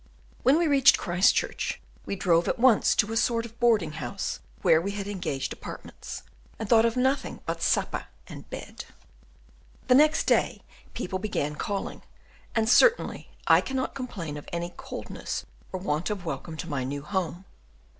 When we reached Christchurch, we drove at once to a sort of boarding house where we had engaged apartments, and thought of nothing but supper and bed. The next day people began calling, and certainly I cannot complain of any coldness or want of welcome to my new home.